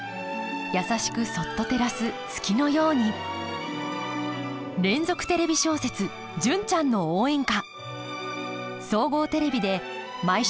優しくそっと照らす月のように連続テレビ小説「純ちゃんの応援歌」。